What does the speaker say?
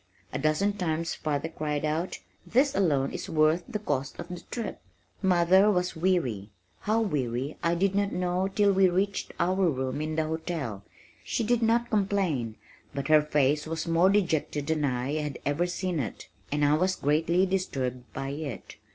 A dozen times father cried out, "This alone is worth the cost of the trip." Mother was weary, how weary I did not know till we reached our room in the hotel. She did not complain but her face was more dejected than I had ever seen it, and I was greatly disturbed by it.